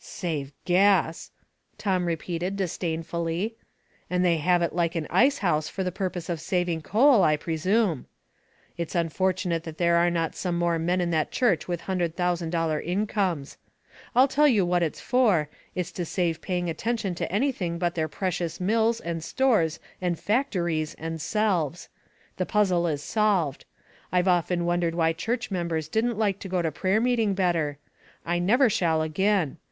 " Save gas !" Tom repeated, disdainfully. And they have it like an ice house for the pur pose of saving coal, I presume. It's unfortunate that there are not more men in that church with hundred thousand dollar incomes. Til tell you what it's for, it's to save paying attention to any thing but their precious mills, and stores, and fac tories, and selves. The puzzle is solved. I've often wondered why church members didn't like to go to prayer meeting better. I never shall again.